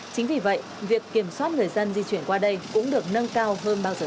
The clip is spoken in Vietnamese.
chính vì vậy việc kiểm soát người dân di chuyển qua đây cũng được nâng cao hơn bao giờ